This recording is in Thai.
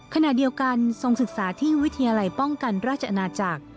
ขณะเดียวกันทรงศึกษาที่วิทยาลัยป้องกันราชอาณาจักร